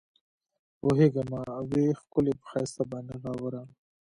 پوهېږمه وي ښکلي پۀ ښائست باندې غاوره